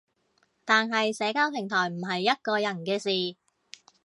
但係社交平台唔係一個人嘅事